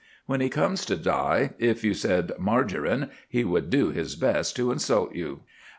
When he comes to die, if you said "Margarine," he would do his best to insult you.